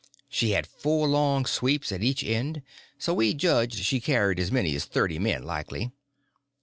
She had four long sweeps at each end, so we judged she carried as many as thirty men, likely.